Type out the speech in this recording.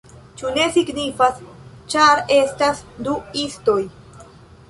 Ĉu ne signifas, ĉar estas du istoj?